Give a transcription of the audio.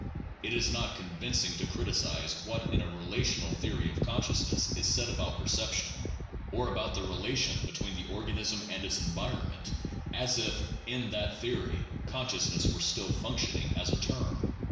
It is not convincing to criticize what in a relational theory of consciousness is said about percep tion, or about the relation between the organism and its environ ment as if in that theory consciousness were still functioning as a term.